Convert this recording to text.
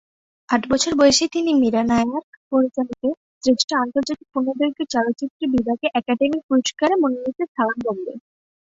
আট বছর বয়সে তিনি মীরা নায়ার পরিচালিত, শ্রেষ্ঠ আন্তর্জাতিক পূর্ণদৈর্ঘ্য চলচ্চিত্র বিভাগে একাডেমি পুরস্কারে মনোনীত "সালাম বম্বে!"